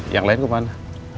yang lain ke mana